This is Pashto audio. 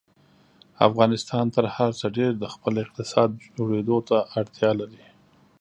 افغانستان تر هر څه ډېر د خپل اقتصاد جوړېدو ته اړتیا لري.